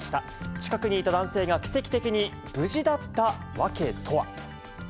近くにいた男性が奇跡的に無事だった訳とは。